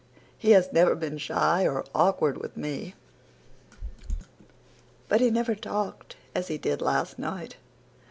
He has never been shy or awkward with me, but he never talked as he did last night."